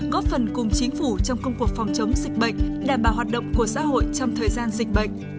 góp phần cùng chính phủ trong công cuộc phòng chống dịch bệnh đảm bảo hoạt động của xã hội trong thời gian dịch bệnh